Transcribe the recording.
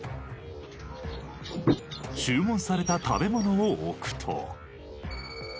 注文された食べ物を置くと。